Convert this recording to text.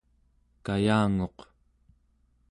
kayanguq